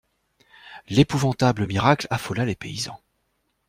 L'épouvantable miracle affola les paysans.